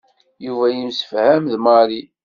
Yuba yemsefham d Mary.